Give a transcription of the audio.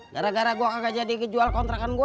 gara gara gue gak jadi ngejual kontrakan gue